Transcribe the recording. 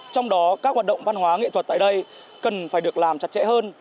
trong đó các hoạt động văn hóa nghệ thuật tại đây cần phải được làm chặt chẽ hơn